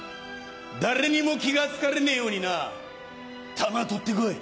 誰にも気が付かれねえようになタマ取って来い。